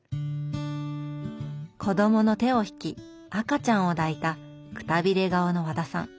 子供の手を引き赤ちゃんを抱いたくたびれ顔の和田さん。